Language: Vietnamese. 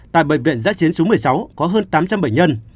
tại bệnh viện giá chiến xuống một mươi sáu có hơn tám trăm linh bệnh nhân